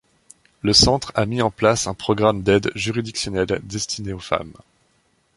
Le centre a mis en place un programme d'aide juridictionnelle destinés aux femmes.